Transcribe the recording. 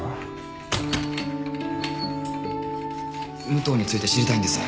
武藤について知りたいんです。